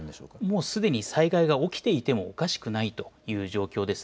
もうすでに災害が起きていてもおかしくないという状況です。